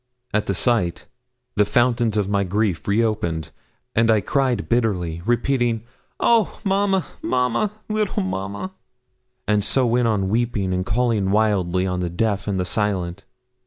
At the sight the fountains of my grief reopened, and I cried bitterly, repeating, 'Oh! mamma, mamma, little mamma!' and so went on weeping and calling wildly on the deaf and the silent.